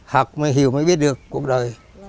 học mới hiểu mới biết được cuộc đời